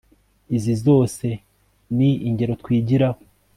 Izi Zose ni Ingero Twigiraho